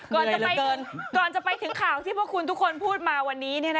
ก่อนจะไปถึงข่าวที่พวกคุณทุกคนพูดมาวันนี้